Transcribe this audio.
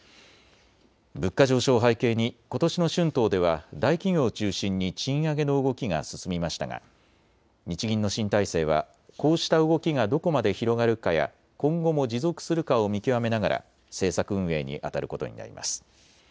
物価上昇を背景にことしの春闘では大企業を中心に賃上げの動きが進みましたが日銀の新体制はこうした動きがどこまで広がるかや今後も持続するかを見極めながら政策運営にあたることになります。